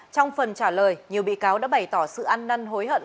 trong phần trả lời nhiều bị cáo đã bày tỏ sự ăn năn hối hận